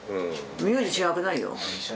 名字違くないよ。